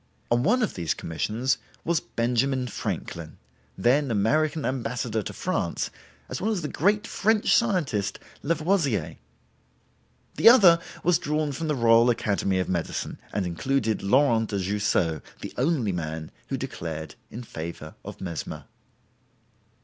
On one of these commissions was Benjamin Franklin, then American Ambassador to France as well as the great French scientist Lavoisier. The other was drawn from the Royal Academy of Medicine, and included Laurent de Jussieu, the only man who declared in favor of Mesmer.